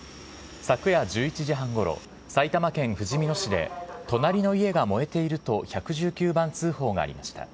昨夜１１時半ごろ、埼玉県ふじみ野市で、隣の家が燃えていると１１９番通報がありました。